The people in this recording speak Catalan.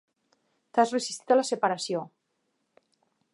T'has resistit a la separació.